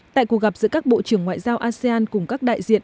tại cuộc gặp giữa các bộ trưởng ngoại giao asean cùng các đại diện